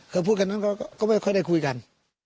คือพูดกันนั้นก็ไม่ค่อยได้คุยกัน